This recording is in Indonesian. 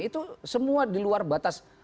itu semua di luar batas